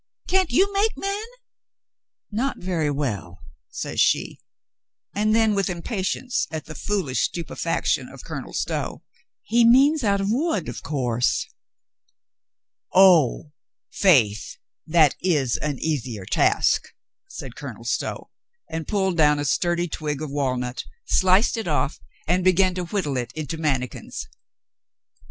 "Can't you make men ?" "Not very well," says she, and then, with impa tience at the foolish stupefaction of Colonel Stow: "He means out of wood, of course." "Oh ! Faith, that is an easier task," said Colonel Stow, and pulled down a sturdy twig of walnut, sliced it off, and began to whittle it into mannikins.